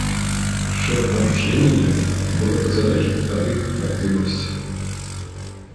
Шчыра кажучы, я не ведаю, бо гэта залежыць ад іх актыўнасці.